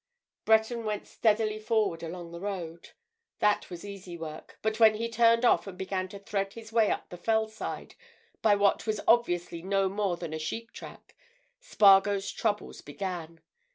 Breton went steadily forward along the road. That was easy work, but when he turned off and began to thread his way up the fell side by what was obviously no more than a sheep track, Spargo's troubles began.